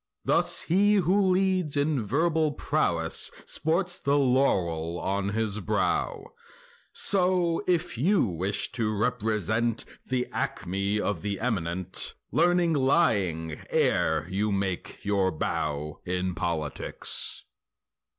Thus he who leads in verbal prow Ness sports the laurel on his brow— So if you wish to represent The acme of the eminent, Learning lying ere you make your bow In politics.